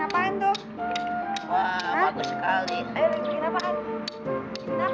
mau mandi dulu gak